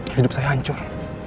hidup saya hancur